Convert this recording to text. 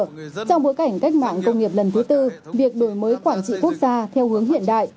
trong bối cảnh cách mạng công nghiệp lần thứ tư việc đổi mới quản trị quốc gia theo hướng hiện đại